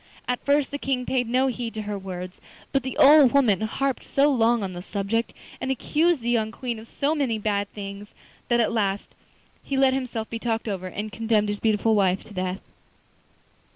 At first the King paid no heed to her words, but the old woman harped so long on the subject, and accused the young Queen of so many bad things, that at last he let himself be talked over, and condemned his beautiful wife to death.